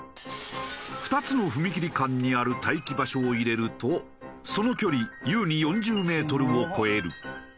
２つの踏切間にある待機場所を入れるとその距離優に４０メートルを超える。